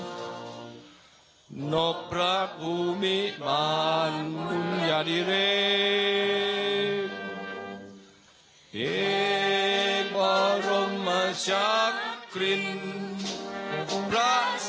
เวรสีระเพราะพระบริบาลมนตราคุณทรักษาภวงประชาเป็นสุขศาลอบนานข้าประสงค์ใด